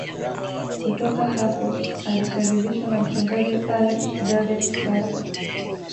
Kutoka hapo alikaribishwa na mchungaji Alec Garden Fraser